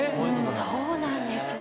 そうなんです。